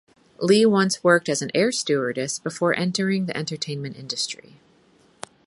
Lee once worked as an air-stewardess before entering the entertainment industry.